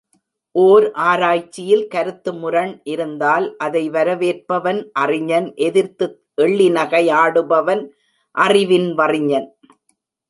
ஓர் ஆராய்ச்சியில் கருத்து முரண் இருந்தால் அதை வரவேற்பவன் அறிஞன் எதிர்த்து எள்ளி நகையாடுபவன் அறிவின் வறிஞன்!